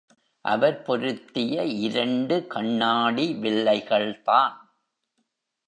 அவர் பொருத்திய இரண்டு கண்ணாடி வில்லைகள்தான்.